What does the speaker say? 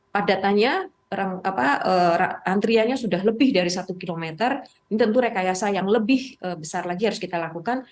padatannya antriannya sudah lebih dari satu km ini tentu rekayasa yang lebih besar lagi harus kita lakukan